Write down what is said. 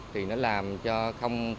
thì nó làm cho không khai thác